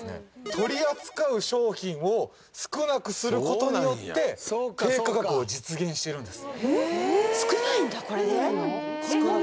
取り扱う商品を少なくすることによって低価格を実現しているんです。